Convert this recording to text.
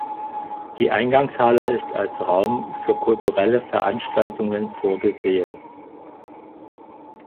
Die Eingangshalle ist als Raum für kulturelle Veranstaltungen vorgesehen.